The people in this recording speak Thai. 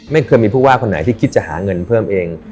ไม่เคยมีผู้ว่าคนไหนที่คิดจะหาเงินเพิ่มเอง